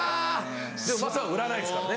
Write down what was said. でも松さんは売らないですからね。